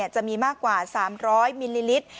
จะมีมากกว่า๓๐๐มิลลิลิตร